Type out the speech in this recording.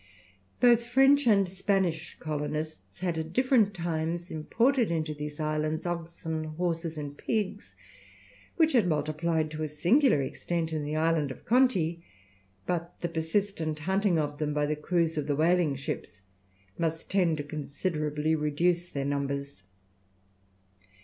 Both French and Spanish colonists had at different times imported into these islands oxen, horses, and pigs, which had multiplied to a singular extent in the island of Conti; but the persistent hunting of them by the crews of the whaling ships must tend to considerably reduce their numbers.